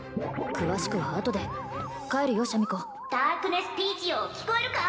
詳しくはあとで帰るよシャミ子ダークネスピーチよ聞こえるか？